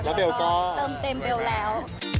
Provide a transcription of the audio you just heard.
แล้วเบลล์ก็แล้วก็เติมเต็มเบลล์แล้ว